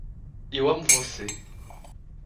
Eu amo você